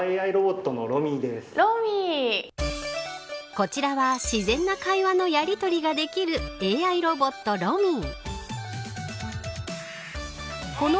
こちらは自然な会話のやりとりができるＡＩロボットＲｏｍｉ。